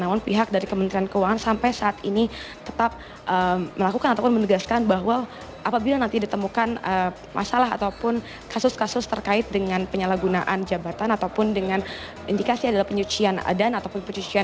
namun pihak dari kementerian keuangan sampai saat ini tetap melakukan ataupun menegaskan bahwa apabila nanti ditemukan masalah ataupun kasus kasus terkait dengan penyalahgunaan jabatan ataupun dengan indikasi adalah penyucian dan ataupun pencucian